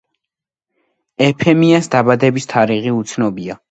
ეფემიას დაბადების თარიღი უცნობია.